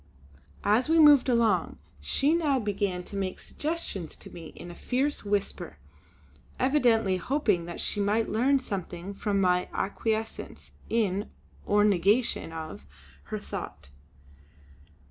As we moved along she now began to make suggestions to me in a fierce whisper, evidently hoping that she might learn something from my acquiescence in, or negation of, her thought.